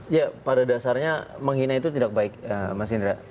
ya pada dasarnya menghina itu tidak baik mas indra